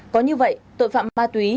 có như vậy tội phạm ma túy